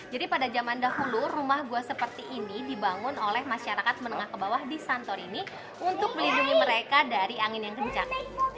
jadi pada zaman dahulu rumah gua seperti ini dibangun oleh masyarakat menengah ke bawah di santorini untuk melindungi mereka dari angin yang kencang